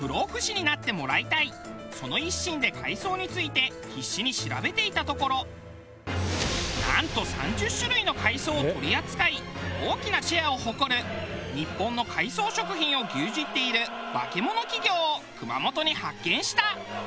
その一心で海藻について必死に調べていたところなんと３０種類の海藻を取り扱い大きなシェアを誇る日本の海藻食品を牛耳っているバケモノ企業を熊本に発見した！